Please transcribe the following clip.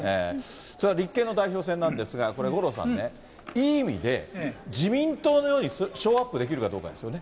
立憲の代表選なんですが、これ、五郎さんね、いい意味で、自民党のようにショーアップできるかどうかですよね。